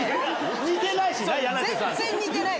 似てないしな！